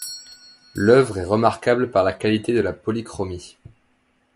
L'œuvre est remarquable par la qualité de la polychromie.